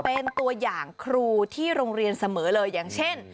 เป็นตัวอย่างครูที่โรงเรียนเสมอเลยอย่างเช่น